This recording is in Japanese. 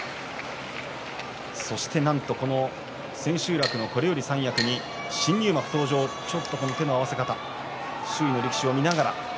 そしてなんとこの千秋楽のこれより三役に新入幕登場ちょっとこの手の合わせ方周囲の力士を見ながら。